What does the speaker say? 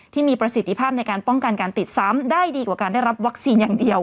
ที่มีประสิทธิภาพในการป้องกันการติดซ้ำได้ดีกว่าการได้รับวัคซีนอย่างเดียว